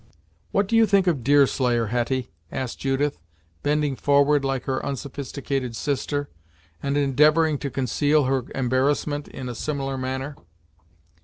"What do you think of Deerslayer, Hetty?" asked Judith, bending forward like her unsophisticated sister, and endeavoring to conceal her embarrassment in a similar manner.